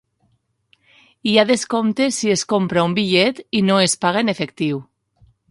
Hi ha descompte si es compra un bitllet i no es paga en efectiu.